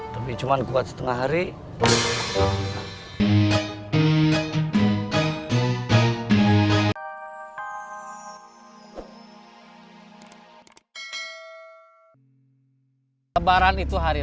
tapi cuman kuat setengah hari